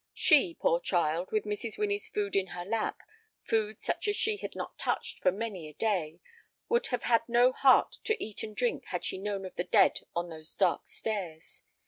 She, poor child, with Mrs. Winnie's food in her lap—food such as she had not touched for many a day—would have had no heart to eat and drink had she known of the dead on those dark stairs.